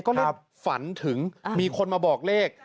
ก็เลยฝันถึงมีคนมาบอกเลข